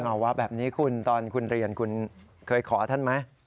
ภาวะแบบนี้คุณตอนคุณเรียนคุณเคยขอท่านไหม